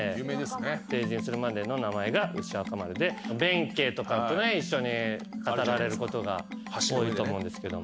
成人するまでの名前が牛若丸で弁慶とかと一緒に語られることが多いと思うんですけども。